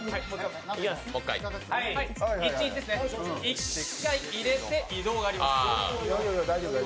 １回入れて、移動があります。